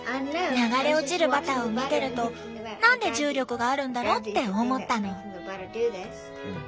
流れ落ちるバターを見てると何で重力があるんだろう？って思ったの。